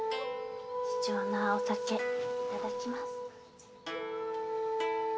貴重なお酒いただきます。